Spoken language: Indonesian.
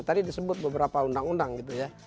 tadi disebut beberapa undang undang gitu ya